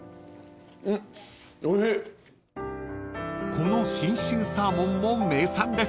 ［この信州サーモンも名産です］